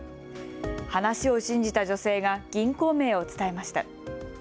話を信じた女性が銀行名を伝えました。